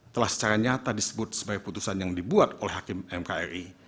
telah secara nyata disebut sebagai putusan yang dibuat oleh hakim mkri